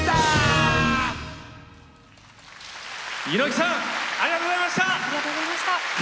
猪木さんありがとうございました。